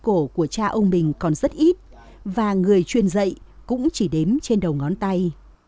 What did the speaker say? cổ của cha ông mình còn rất ít và người truyền dạy cũng chỉ đếm trên đầu ngón tay